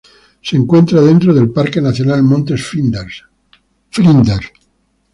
Se encuentra dentro del Parque Nacional Montes Flinders.